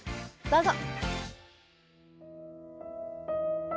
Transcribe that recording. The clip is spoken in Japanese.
どうぞ！